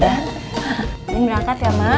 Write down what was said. ini berangkat ya mak